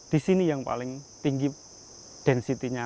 di sini yang paling tinggi densitinya